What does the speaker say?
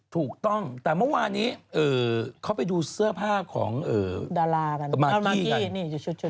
ถูกต้องแต่เมื่อวานี้เขาไปดูเสื้อผ้าของดารา